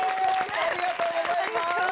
ありがとうございます。